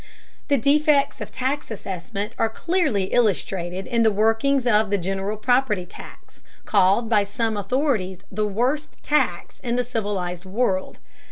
The defects of tax assessment are clearly illustrated in the workings of the general property tax, called by some authorities the worst tax in the civilized world.